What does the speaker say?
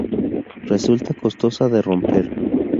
resulta costosa de romper